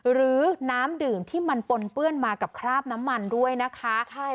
หรือน้ำดื่มที่มันปนเปื้อนมากับคราบน้ำมันด้วยนะคะ